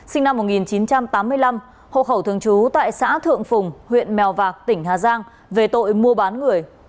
sinh năm một nghìn chín trăm tám mươi năm hộ khẩu thường trú tại xã thượng phùng huyện mèo vạc tỉnh hà giang về tội mua bán người